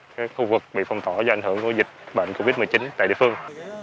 cái khu vực bị phong tỏa do ảnh hưởng của dịch bệnh covid một mươi chín tại địa phương